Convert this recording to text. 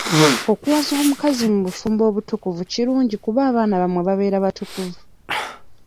Okuwasa omukazi mu bufumbo obutukuvu kirungi kuba abaana bammwe babeera batukuvu.